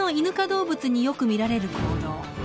動物によく見られる行動。